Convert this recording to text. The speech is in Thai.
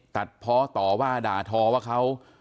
ตัดพ่อต่อว่าด่าทอว่าเขา